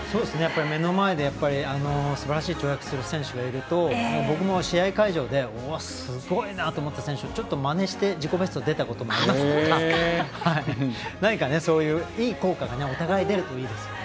目の前ですばらしい跳躍をする選手がいると僕も試合会場ですごいな！って思った選手をまねしてちょっとまねして自己ベスト出たこともあるので何か、そういういい効果がお互い出るといいですね。